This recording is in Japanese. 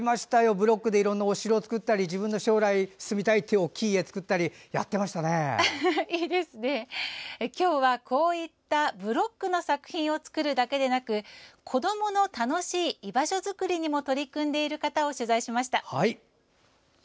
ブロックでお城を使ったり自分が将来住みたいっていう大きい家を作ったり今日は、こういったブロックの作品を作るだけでなく子どもの楽しい居場所作りにも取り組んでいる方を取材しました。